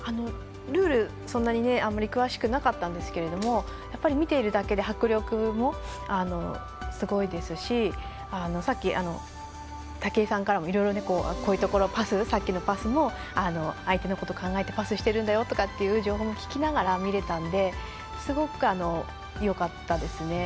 ルールそんなに詳しくなかったんですけどやっぱり見ているだけで迫力もすごいですしさっき、武井さんからもこういうところ、さっきのパスも相手のことを考えてパスしてるんだよっていう情報も聞きながら見られたのですごくよかったですね。